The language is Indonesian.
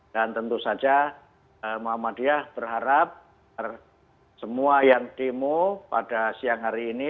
dan tentu saja muhammadiyah berharap semua yang demo pada siang hari ini